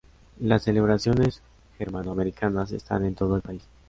Las celebraciones germano-americanas están en todo el país.